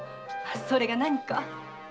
それが何か？